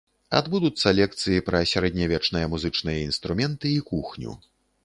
Адбудуцца лекцыі пра сярэднявечныя музычныя інструменты і кухню.